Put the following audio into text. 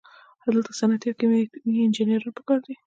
دلته صنعتي او کیمیاوي انجینران پکار دي.